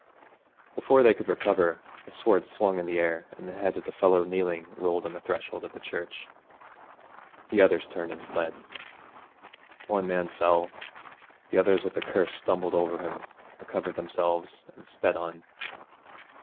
Before they could recover, the sword swung in air, and the head of the fellow kneeling rolled on the threshold of the church. The others turned and fled. One man fell, the others with a curse stumbled over him, recovered themselves, and sped on.